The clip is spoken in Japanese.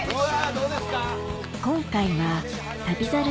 どうですか？